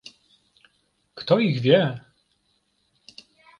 "Kto ich wie?"